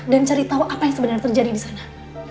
dan cari tahu apa yang sebenarnya terjadi di sana